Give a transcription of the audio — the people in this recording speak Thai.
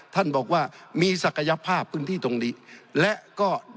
ท่านบอกว่ามีศักยภาพพื้นที่ตรงนี้และก็